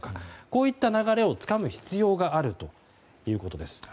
こういった流れをつかむ必要があるということです。